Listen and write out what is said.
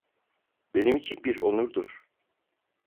Benim için bir onurdur.